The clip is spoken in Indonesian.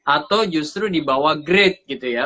atau justru di bawah grade gitu ya